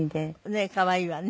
ねっ可愛いわね。